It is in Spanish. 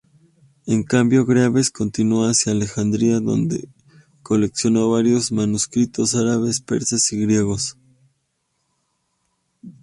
En cambio, Greaves continuó hacia Alejandría, donde coleccionó varios manuscritos árabes, persas y griegos.